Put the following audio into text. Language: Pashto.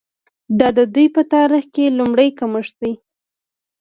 دا د دوی په تاریخ کې لومړی کمښت دی.